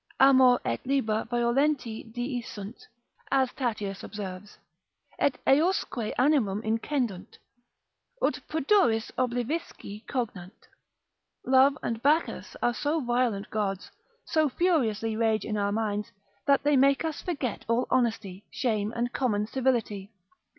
Amor et Liber violenti dii sunt) as Tatius observes, et eousque animum incendunt, ut pudoris oblivisci cogant, love and Bacchus are so violent gods, so furiously rage in our minds, that they make us forget all honesty, shame, and common civility.